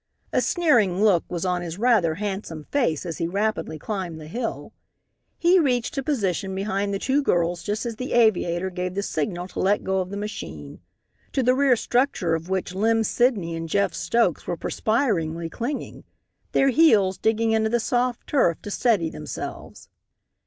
A sneering look was on his rather handsome face as he rapidly climbed the hill. He reached a position behind the two girls just as the aviator gave the signal to let go of the machine to the rear structure of which Lem Sidney and Jeff Stokes were perspiringly clinging, their heels digging into the soft turf to steady themselves.